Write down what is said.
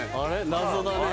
謎だね